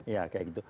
ya kayak gitu